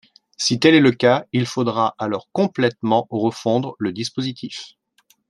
Si tel est le cas, il faudra alors complètement refondre le dispositif.